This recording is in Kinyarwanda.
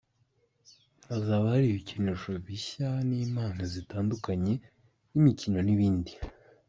Hazaba hari ibikinisho bishya n’impano zitandukanye, imikino n’ibindi.